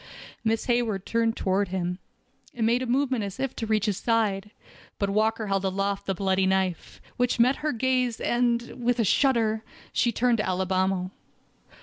Miss Hayward turned toward him, and made a movement as if to reach his side, but Walker held aloft the bloody knife, which met her gaze, and, with a shudder, she turned to Alibamo.